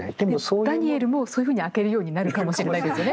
ダニエルもそういうふうに開けるようになるかもしれないですよね。